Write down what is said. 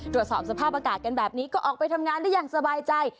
ตรวจสอบสภาพอากาศกันแบบนี้ก็ออกไปทำงานได้อย่างสบายใจ